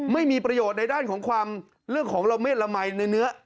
ไม่มีประโยชน์ในด้านของความเรื่องของละเมดละมัยในเนื้อ